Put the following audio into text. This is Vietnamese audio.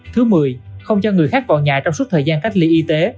thứ một mươi không cho người khác vào nhà trong suốt thời gian cách ly y tế